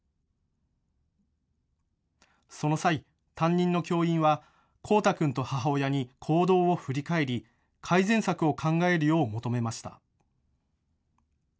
その際、担任の教員はコウタ君と母親に行動を振り返り改善策を考えるよう求めました。